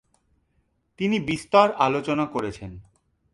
তিনি বিস্তর আলোচনা করেছেন।